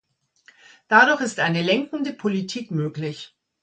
Dadurch ist eine lenkende Politik möglich.